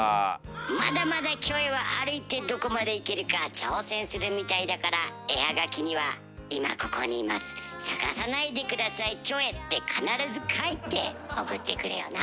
まだまだキョエは歩いてどこまで行けるか挑戦するみたいだから絵はがきには「今ここにいます探さないでくださいキョエ」って必ず書いて送ってくれよな。